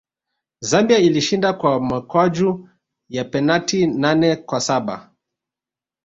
zambia ilishinda kwa mikwaju ya penati nane kwa saba